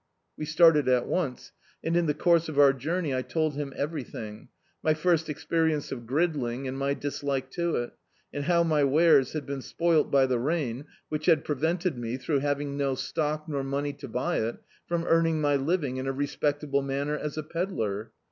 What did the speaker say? We started at once, and, in tiie course of our journey I told him everything — my first experience of grid ling and my dislike to it, and how my wares had beai spoilt by the rain, which had prevented me, throu^ having no stock, nor money to buy it, from earning my living in a respectable manner as a pedlar.